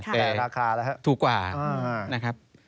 แต่ถูกกว่านะครับ